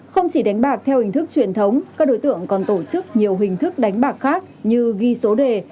không chỉ đánh bạc theo hình thức truyền thống các đối tượng còn tổ chức nhiều hình thức đánh bạc khác như ghi số đề